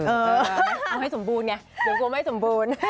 เอาให้สมบูรณไงเดี๋ยวกลัวไม่สมบูรณ์